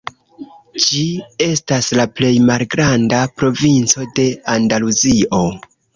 Ĝi estas la plej malgranda provinco de Andaluzio.